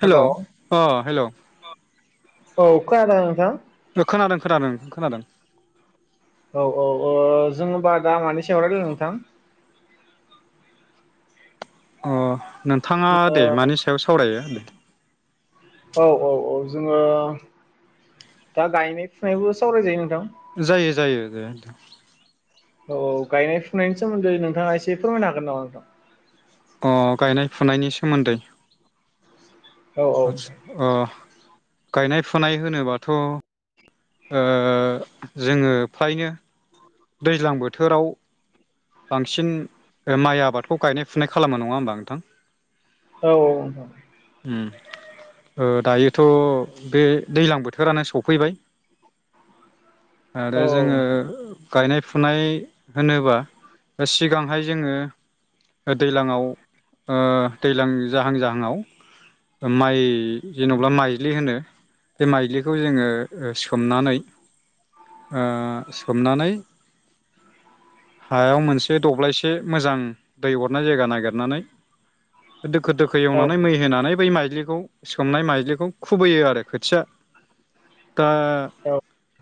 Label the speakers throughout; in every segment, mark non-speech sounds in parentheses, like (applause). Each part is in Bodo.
Speaker 1: हेल'अ
Speaker 2: हेलौ
Speaker 1: हेल'।
Speaker 2: औ खोनादों नोंथांं?
Speaker 1: खोनादों खोनादों खोनादों।
Speaker 2: औ औ अ जों होमबा दा मानि सायाव रायलायनो नोंथां?
Speaker 1: अ नोंथाङा
Speaker 2: ओ
Speaker 1: दे मानि सायाव सावरायो ।
Speaker 2: औ औ औ जोङो दा गायनाय फुनायबो सावराय जायो
Speaker 1: जायो जायो (unintelligible) नोंथां।
Speaker 2: औ गायनाय फुनायनि सोमोन्दै नोंथाङा एसे फोरमायनो हागोन नामा नोंथां?
Speaker 1: अ गायनाय फुनायनि सोमोन्दै।
Speaker 2: औ औ
Speaker 1: अच्छ अ गायनाय फुनाय होनोबाथ' ओ जोङो फ्रायनो दैज्लां बोथोराव बांसिन माइ आबादखौ गायनाय फुनाय खालामा नङा होमबा नोंथां?
Speaker 2: औ औ नोंथां
Speaker 1: उम। ओ दायोथ' बे दैलां बोथोरानो सफैबाय। आरो
Speaker 2: औ औ
Speaker 1: जोङो
Speaker 2: नोंथां
Speaker 1: गायनाय फुनाय होनोबा सिगांहाय जोङो दैलांआव ओ दैलां जाहां जाहांआव माइ जेन'बा माइज्लि होनो। बे माइलिखौ जोङो सोमनानै ओ सोमनानै हायाव मोनसे दब्लायसे मोजां दै अरनाय जायगा नागिरनानै दोखो दोखो एवनानै मै होनानै बै माइज्लि खौ सोमनाय माइज्लिखौ खुबैयो आरो खोथिया दा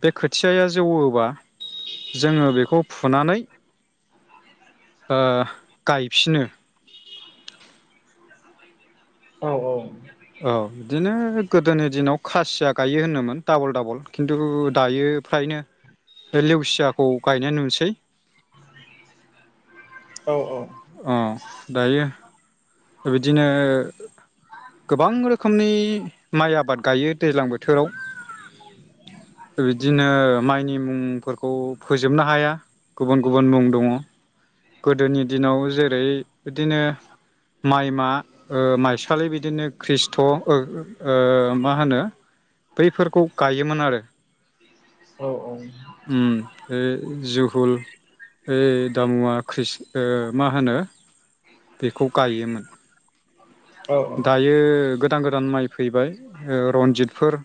Speaker 1: टेक खोथिआया जौवोबा जोङो बेखौ फुनानै ओ गायफिनो।
Speaker 2: औ औ।
Speaker 1: औ दिनो गोदोनि दिनाव खासिया गायो होनोमोन डाबल -डाबल खिन्थु दायो बे लेवसियाखौ गायनाय नुसै
Speaker 2: औ औ
Speaker 1: अ दायो बिदिनो गोबां रोखोमनि माइ आबाद गायो दैलां बोथोराव । बिदिनो माइनि मुंफोरखौ फोजोबनो हाया गुबुन गुबुन मुं दंङ । गोदोनि दिनाव जेरै बिदिनो माइमा ओ माइसालि बिदिनो खृष्ट ओ ओ मा होनो बैफोरखौ गायोमोन आरो ।
Speaker 2: उम
Speaker 1: उम बे जु हुल ओइ दामुवा ख्रिष ओ मा होनो बेखौ गायोमोन । (inaudible) दायो गो गोदान -गोदान माइ फैबाय ओ रनजितफोर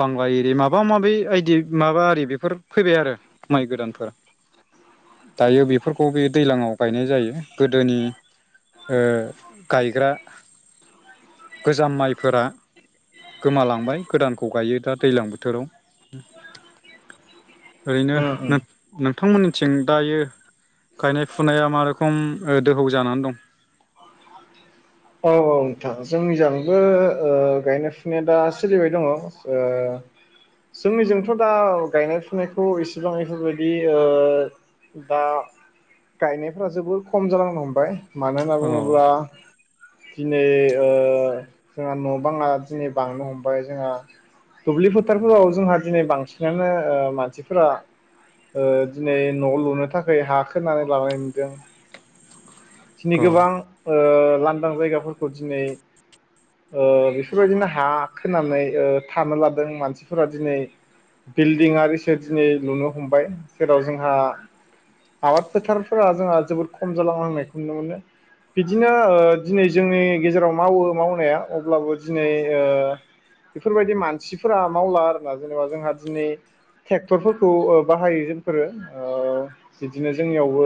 Speaker 1: बांला एरि माबा माबि आइदि माबा आरि बेफोर फैबाय आरो माइ गोदानफोरा दायो बेफोरखौ बे दैज्लांआव गायनाय जायो गोदोनि ओ गायग्रा गोजाम माइफोरा गोमालांबाय गोदानखौ गायो दा दैलां बोथोराव। ओरैनो
Speaker 2: उम
Speaker 1: नो-नोंथांमोननि थिं दायो गायनाय फुनाया मा रोखोम ओ दोहौ जानानै दं?
Speaker 2: औ औ नोंथां जोंनिजांबो ओ गायनाय फुनाया दा सोलिबाय दंङ। ओ जोंनिजोंथ' दा गायनाय फुनायखौ एसेबां एफोरबायदि ओ दा गायनायफोरा जोबोद खम जालांनो हमबाय । मानो होनना
Speaker 1: औ
Speaker 2: बुंङोब्ला दिनै ओ जोंहा न' बांङा दिनै बांनो हमबाय जोंहा दुब्लि फोथारफोराव जोंहा दिनै बांसिनानो ओ मानसिफोरा ओ दिनै न' लुनो थाखाय हा खोनानै लानाय नुदों । दिनै
Speaker 1: औ
Speaker 2: गोबां ओ लांदां जायगाफोरखौ दिनै ओ बेफोरबायदिनो हा खोनानै ओ थानो लादों मानसिफोरा दिनै बिल्डिं आरि सो दिनै लुनो हमबाय जेराव जोंहा आबाद फोथारफोरा जोंहा जोबोद खम जालांनांनायखौ नुनो मोनो । बिदिनो ओ दिनै जोंनि गेजेराव मावो मावनाया अब्लाबो दिनै ओ बेफोरबायदि मानसिफोरा मावला आरोना जेनेबा जोंहा दिनै ट्रेक्टरफोरखौ ओ बाहायो जोंफोरो ओ बिदिनो जोंनियावबो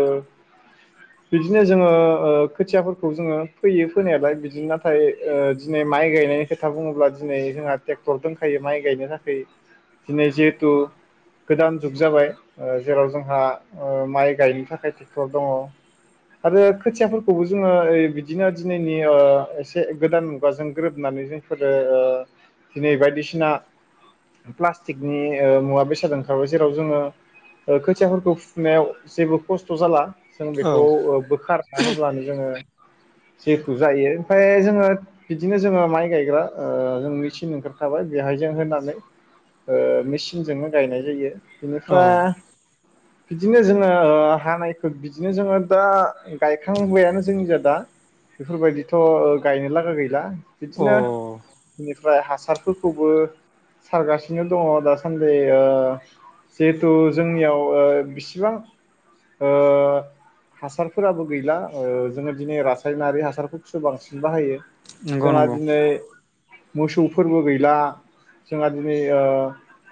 Speaker 2: बिदिनो जोंङो ओ खोथियाफोरखौ जोंङो फैयो फोनायालाय बिदिनो नाथाय ओ दिनै माइ गायनायनि खोथा बुंङोब्ला दिनै जोंहा ट्रेक्टर दंखायो माइ गायनो थाखाय दिनै जिहेथु गोदान जुग जाबाय ओ जेराव जोंहा ओ माइ गायनो थाखाय ट्रेक्टर दंङ। आरो खोथियाफोर खौबो जोंङो ओ बिदिनो दिनैनि ओ एसे गोदान मुगाजों गोरोबनानै जोंफोरो ओ दिनै बायदिसिना प्लास्टिकनि ओ मुवा बेसाद ओंखारबाय। जेराव जोंङो खोथियाफोरखौ फुनायाव जेबो खस्थ' जाला । जों बेखौ
Speaker 1: औ
Speaker 2: बोखार (unintelligible) हब्लानो जोंङो जेखौ जायो ओमफाय जोंङो बिदिनो जोंङो माइ गायग्रा ओ जों मेचिन ओंखारखाबाय बेहायजों होनानै मेचिनजोंनो गायनाय जायो ।
Speaker 1: औ
Speaker 2: बिनिफ्राय बिदिनो जोंङो ओ हानायखौ बिदिनो जोंङो दा गाय खां बायानो जोंनि जा दा बेफोरबायदिथ' गायनो लागा गैला ।
Speaker 1: अ
Speaker 2: बिदिनो बेनिफ्राय हासारफोरखौबो सारगासिनो दंङ दासान्दि ओ जिहेथु जोंनियाव ओ बिसिबां ओ हासारफोराबो गैला ओ जोंङो दिनै रासायनारि हासारफोरखौसो बांसिन बाहायो ।
Speaker 1: नंगौ
Speaker 2: जोंहा
Speaker 1: नंगौ
Speaker 2: दिनै मोसौ फोरबो गैला जोंहा दिनै ओ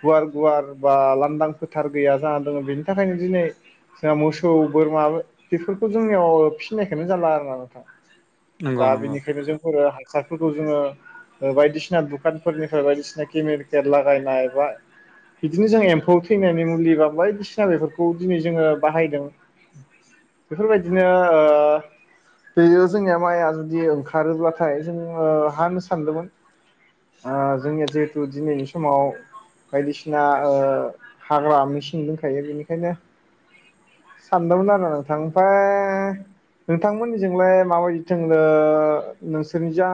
Speaker 2: गुवार गुवार बा लांदां फोथार गैया जाना दोंङो बेनि थाखायनो दिनै जोंहा मोसौ बोरमा बेफोरखौ जोंनियाव फिसिनायखौनो जाला आरो ना नोंथां ।
Speaker 1: नंगौ
Speaker 2: दा
Speaker 1: नंगौ
Speaker 2: बेनिखायनो जों ओ हासारफोरखौ जोङो ओ बायदिसिना दुखानफोरनिफ्राय बायदिसिना केमिकेल लागायनाय बा बिदिनो जों एम्फौ थैनायनि मुलि बा बायदिसिना बेफोरखौ दिनै जोङो बाहायदों । बेफोरबायदिनो ओ बेयो जोंनिया माइआ जुदि ओंखारोब्लाथाय जोंङो हा होन सानदोंमोन जोंनिया जिहेथु दिनैनि समाव बायदिसिना हाग्रा मेसिं दंखायो बेनिखायनो सानदोंमोन आरो आमफाय नोंथांमोननिजोंलाय माबायदि थों नोंसोरनि जा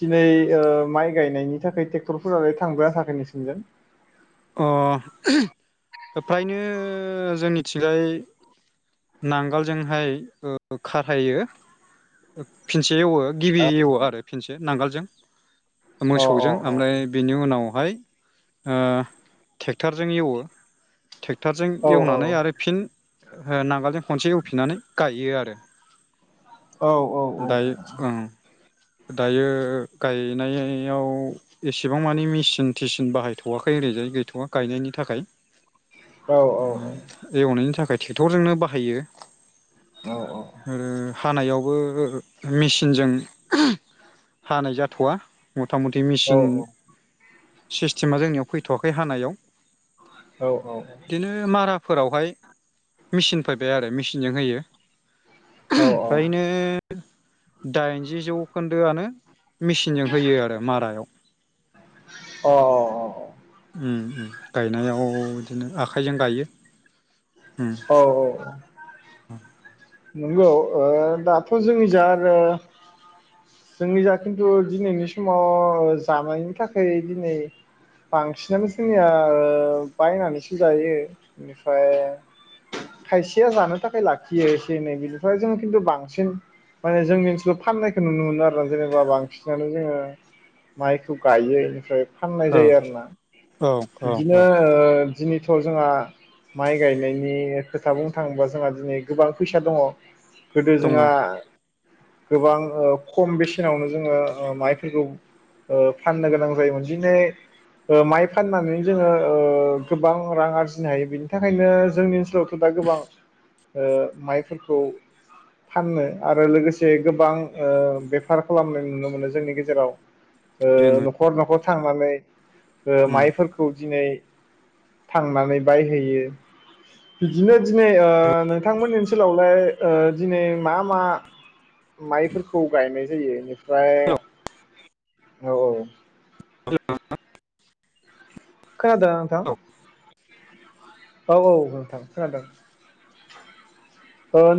Speaker 2: दिनै ओ माइ गायनायनि थाखाय ट्रेक्टरफोरालाय थांबायना थाङाखै नोंसनिजों
Speaker 1: अ (unintelligible) फ्रायनो जोंनिथिंजाय नांगालजोंहाय ओ खाथायो फिन से एवो गिबि एवो आरो फिनसे नांगोलजों
Speaker 2: अ अ
Speaker 1: मोसौजों ओमफ्राय बेनि उनाव बेहाय ओ ट्रेक्टरजों एवो ट्रेक्टरजों
Speaker 2: औ
Speaker 1: एवनानै आरो फिन हो नांगोल खनसे एवफिनानै गायो आरो
Speaker 2: औ औ औ औ
Speaker 1: दायो ओं दायो गायनायाव एसेबां मानि मेचिन थिसिन बाहायथ'वाखै ओरैजाय गैथ'वा गायनायनि थाखाय
Speaker 2: औ
Speaker 1: उम उम
Speaker 2: अ
Speaker 1: एवनायनि थाखाय टेखरजोंनो बा हायो
Speaker 2: औ औ औ
Speaker 1: हानायावबो मिसिनजों (unintelligible) हानाय जाथ'वा मथा मथि मेसिन सिस्टेमा जोंनियाव फैथ'वाखै हानायाव
Speaker 2: औ औ औ
Speaker 1: फोरावहाय मेचिन फैबाय आरो मेसिनजों होयो (unintelligible) फ्रायनो दाइनजि जौखोन्दोआनो मिसिनजों होयो आरो मारायाव
Speaker 2: अ
Speaker 1: उम उम गायनायाव बिदिनो आखाइजों गायो
Speaker 2: औ औ औ
Speaker 1: उम
Speaker 2: नंगौ ओ दाथ' जोंनि जा आरो जोंनि जा खिन्थु दिनैनि समाव जानायनि थाखाय दिनै बांसिनानो जोंनिया बायनानैसो जायो बेनिफ्राय खायसेया जानो थाखाय लाखियो दिनै बिनिफ्राय जों खिनथु बांसिन माने बेनिफ्राय जोंङो खिन्थु बांसिन माने जोंनि ओनसोलाव फाननायखौ नुनो मोनो आरोना जेनेबा बांसिनानो जोङो माइखौ गायो इनिफ्राय फाननाय
Speaker 1: औ
Speaker 2: जायो आरोना
Speaker 1: औ औ
Speaker 2: बिदिनो
Speaker 1: औ
Speaker 2: ओ दिनैथ' जोंहा माइ गायनायनि खोथा बुंनो थाङोबा जोंहा दिनै गोबां फैसा दङ। गोदो
Speaker 1: दङ
Speaker 2: जोंहा गोबां ओ खम बेसेनावनो जोङो ओ माइफोरखौ ओ फाननो गोनां जायोमोन दिनै माइ फाननानै जोङो ओ गोबां रां आरजिनो हायो बेनि थाखायनो जोंनि ओनसोलाव गोबाय गोबां ओ माइफोरखौ फानो आरो लोगोसे गोबां बेफार खालामनाय नुनो मोनो जोंनि गेजेराव
Speaker 1: जेन'
Speaker 2: न'खर न'खर थांनानै
Speaker 1: उम
Speaker 2: माइफोरखौ दिनै थांनानै बायहैयो बिदिनो दिनै नोंथांमोन ओनसोलावहाय दिनै मा मा माइफोरखौ गायनाय जायो बेनिफ्राय औ औ
Speaker 1: (unintelligible)
Speaker 2: खोनादों ना नोंथां? औ औ नोंथां खोनादों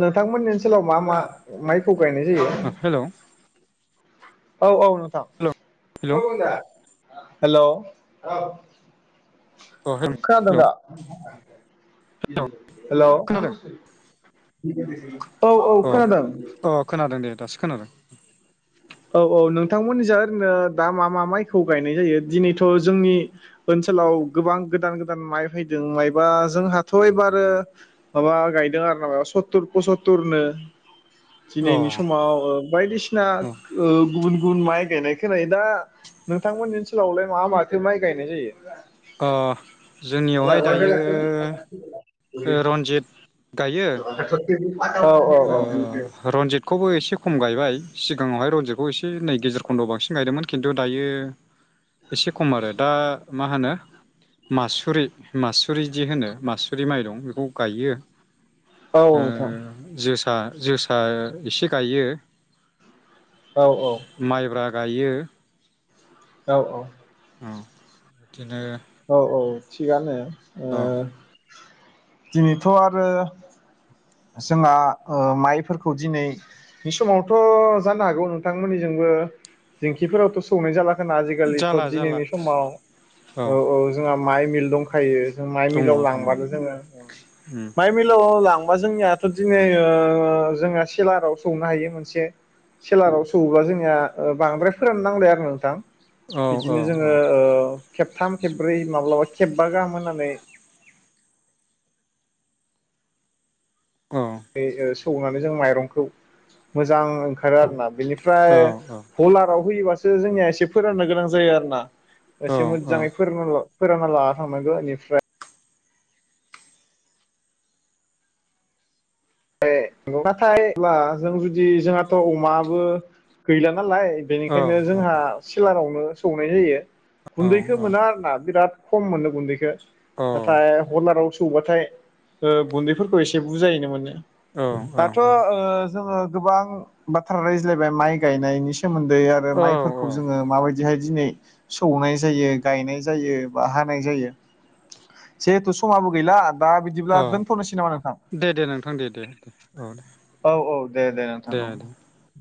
Speaker 2: नोंथांमोननि ओनसोलाव मा मा माइखौ गायनाय जायो
Speaker 1: हेल'
Speaker 2: औ औ
Speaker 1: हेल'
Speaker 2: नोंथां
Speaker 1: हेल'
Speaker 2: (unintelligible) हेल'
Speaker 1: अ हेल'
Speaker 2: खोनादों
Speaker 1: हेल'
Speaker 2: दा?
Speaker 1: खोनादों
Speaker 2: हेल' औ औ
Speaker 1: अ
Speaker 2: खोनादों
Speaker 1: अ खोनादों दे दासो खोनादों
Speaker 2: औ औ नोंथांमोननिजों ओरैनो दा मा मा माइखौ गायनाय जायो दिनैथ' जोंनि ओनसोलाव गोबां गोदान गोदान माइ फैदों मायबा जोंहाथ' एबार माबा गायदों आरो ना सत्तुर पसत्तुरनो
Speaker 1: अ
Speaker 2: दिनैनि समाव बायदिसिना
Speaker 1: अ
Speaker 2: गुबुन गुबुन गुन माइ गायनायखोनायो दा नोंथांमोननि ओनसोलावलाय मा माथो माइ गायनाय जायो
Speaker 1: अ जोंनियावहाय दायो रन्जित गायो
Speaker 2: औ (inaudible) औ
Speaker 1: रन्जितखौबो एसे खम गायबाय सिगाङावहाय रनजितखौ एसे नै गेजेर खन्दआव बांसिन गायदोंमोन खिन्थु दायो एसे खम आरो दा मा होनो मासुरि मासुरि जि होनो मासुरि माइ दं बेखौ गायो
Speaker 2: औ
Speaker 1: ओ
Speaker 2: नोंथां
Speaker 1: जोसा जोसा एसे गायो
Speaker 2: औ औ
Speaker 1: माइब्रा गायो
Speaker 2: औ औ
Speaker 1: औ बिदिनो
Speaker 2: औ औ थिगानो ।
Speaker 1: औ
Speaker 2: ओ दिनैथ' आरो जोंहा माइफोरखौ दिनैनि समावथ' जानो हागौ नोंथांमोननिजोंबो दिंखिफोरावथ' सौनाय जाला ना आजिखालिथ'
Speaker 1: जाला जाला
Speaker 2: दिनैनि समाव औ औ जोंहा माइ मिल दंखायो । माइ
Speaker 1: दङ
Speaker 2: मिलाव
Speaker 1: दङ
Speaker 2: लांबानो जोंङो
Speaker 1: उम
Speaker 2: माइ मिलाव लांब अ जोंनियाथ दिनै ओ ओ जोंहा सेलाराव सौनो हायो मोनसे सेलाराव सौबा जोंनिया बांद्राय फोरान नांलाया आरो नोंथां
Speaker 1: औ
Speaker 2: ।
Speaker 1: औ
Speaker 2: बिदिनो जोंङो ओ थाम खेब्रै माब्लाबा खेबबा गाहाम होननानै
Speaker 1: औ
Speaker 2: बे ओ सौनानै जों माइरंखौ मोजां ओंखारो आरोना बेनिफ्राय
Speaker 1: औ
Speaker 2: हलाराव होयोबासो जोंनिया एसे फोराननो गोनां जायो आरो ना
Speaker 1: औ
Speaker 2: एसे मोजाङै फोरनोल' फोरानना लाना थांनांगोन बेनिफ्राय ए नाथायब्ला जों जुदि जोंहाथ' अमाबो गैला नालाय
Speaker 1: औ
Speaker 2: बेनिखायनो जोंहा सिलाराव सौनाय जायो ।
Speaker 1: औ
Speaker 2: गुन्दैखो मोना आरोना बिराद खम मोननो गुन्दैखो । नाथाय हलाराव सं सौबाथाय ओ गुन्दैफोरखौ एसे बुजायोनो मोनो । दाथ' ओ जोंङो गोबां बाथ्रा रायज्लायबाय माइ गायनायनि सोमोन्दै
Speaker 1: औ
Speaker 2: आरो
Speaker 1: औ
Speaker 2: माइफोरखौ जोङो माबायदि हाय दिनै सौनाय जायो गायनाय जायो बा हानाय जायो सेहेथु समाबो गैला दा
Speaker 1: औ
Speaker 2: बिदिब्ला दोनथ'नोसै नामा नोंथां?
Speaker 1: दे दे नोंथां दे दे दे औ दे
Speaker 2: औ औ दे दे नोंथां औ ।